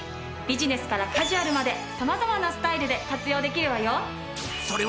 ビジネスからカジュアルまで様々なスタイルで活用できるわよ！